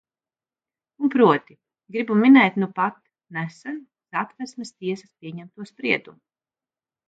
Un, proti, gribu minēt nupat, nesen, Satversmes tiesas pieņemto spriedumu.